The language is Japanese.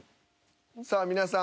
さあ皆さん。